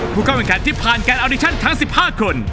ผู้เข้าแข่งขันที่ผ่านการอัลดิชั่นทั้ง๑๕คน